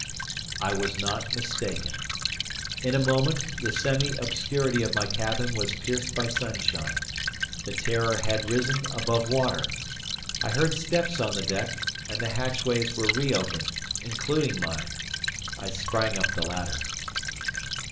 I was not mistaken. In a moment, the semi obscurity of my cabin was pierced by sunshine. The "Terror" had risen above water. I heard steps on the deck, and the hatchways were re opened, including mine. I sprang up the ladder.